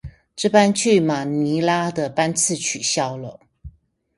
這班去馬尼拉的班次取消了